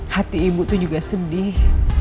hati ibu tuh juga sedih